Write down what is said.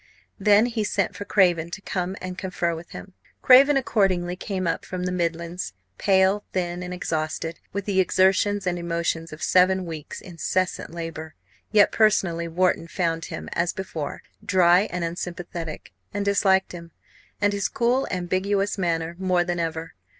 Then he sent for Craven to come and confer with him. Craven accordingly came up from the Midlands, pale, thin, and exhausted, with the exertions and emotions of seven weeks' incessant labour. Yet personally Wharton found him, as before, dry and unsympathetic; and disliked him, and his cool, ambiguous manner, more than ever.